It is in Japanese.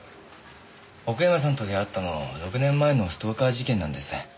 奥山さんと出会ったの６年前のストーカー事件なんです。